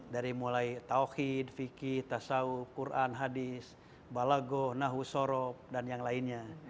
dari mulai tawhid fikih tasawuf quran hadis balago nahu sorob dan yang lainnya